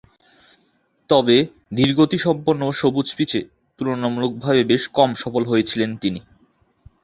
তবে, ধীরগতিসম্পন্ন ও সবুজ পিচে তুলনামূলকভাবে বেশ কম সফল হয়েছিলেন তিনি।